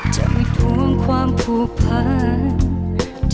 จะไม่ทวงความผูกพัน